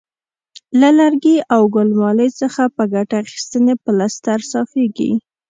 له لرګي او ګل مالې څخه په ګټه اخیستنې پلستر صافیږي.